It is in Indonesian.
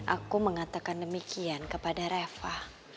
aku mengatakan demikian kepada reva